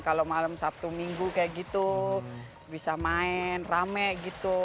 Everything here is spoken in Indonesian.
kalau malam sabtu minggu kayak gitu bisa main rame gitu